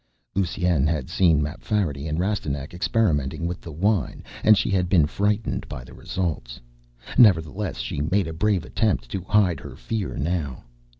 Lusine had seen Mapfarity and Rastignac experimenting with the wine and she had been frightened by the results. Nevertheless, she made a brave attempt to hide her fear now.